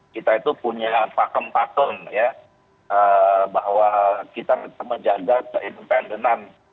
kita itu punya pakem pakem ya bahwa kita menjaga keindependenan